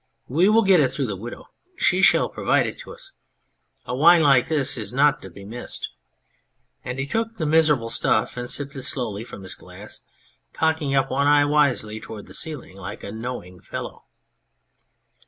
" We will get it through the Widow. She shall provide it to us. A wine like tnis is not to be missed." And he took the miser able stuff and sipped it slowly from his glass, cocking one eye up wisely towards the ceiling like a knowing fellow.